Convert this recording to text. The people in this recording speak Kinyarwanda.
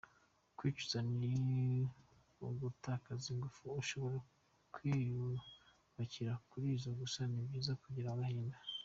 Kwicuza ni ugutakaza ingufu, ushobora kwiyubakira kuri zo; gusa ni byiza kugira agahinda”.